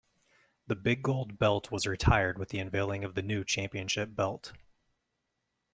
The Big Gold Belt was retired with the unveiling of the new championship belt.